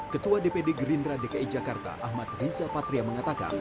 ketua dpd gerindra dki jakarta ahmad riza patria mengatakan